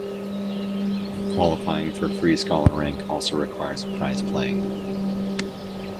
Qualifying for Free Scholar rank also requires a Prize Playing.